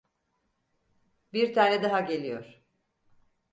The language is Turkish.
Bir tane daha geliyor.